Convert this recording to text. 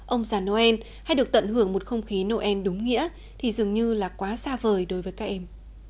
ông già noel hay được tận hưởng một không khí noel đúng nghĩa thì dường như là quá xa vời đối với các em